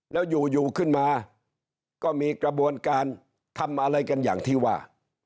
แล้วอยู่ขึ้นมาก็มีกระบวนการทำอะไรกันอย่างที่ว่า